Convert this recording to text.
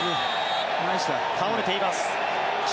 倒れています。